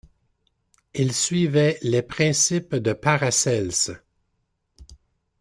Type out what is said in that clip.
Il suivait les principes de Paracelse.